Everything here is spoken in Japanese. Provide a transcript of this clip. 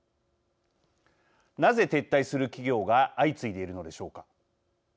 なぜ撤退する企業が相次いでいるのでしょうか。